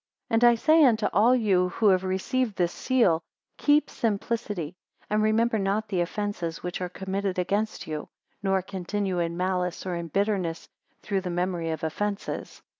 264 And I say unto all you who have received this seal; keep simplicity, and remember not the offences which are committed against you, nor continue in malice, or in bitterness, through the memory of offences.